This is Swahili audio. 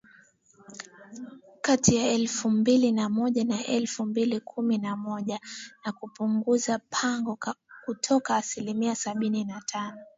kati ya elfu mbili na moja na elfu mbili kumi na moja na kupunguza pengo kutoka asilimia sabini na tano